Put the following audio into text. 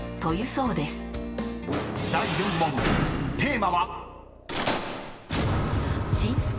［第４問テーマは］